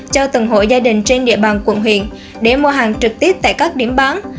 cho từng hội gia đình trên địa bàn quận huyện để mua hàng trực tiếp tại các điểm bán